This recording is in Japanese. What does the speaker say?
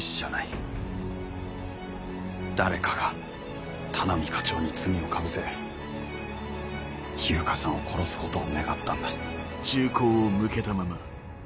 誰かが田波課長に罪をかぶせ悠香さんを殺すことを願ったんだ。